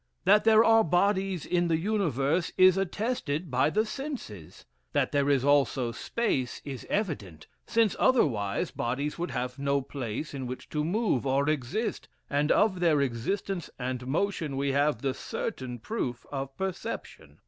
That there are bodies in the universe is attested by the senses. That there is also space is evident; since otherwise bodies would have no place in which to move or exist, and of their existence and motion we have the certain proof of perception.